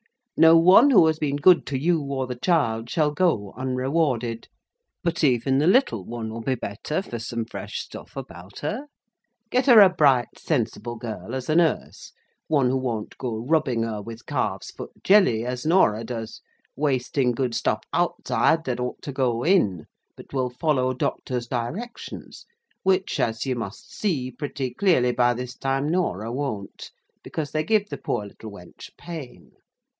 No one who has been good to you or the child shall go unrewarded. But even the little one will be better for some fresh stuff about her. Get her a bright, sensible girl as a nurse: one who won't go rubbing her with calf's foot jelly as Norah does; wasting good stuff outside that ought to go in, but will follow doctors' directions; which, as you must see pretty clearly by this time, Norah won't; because they give the poor little wench pain.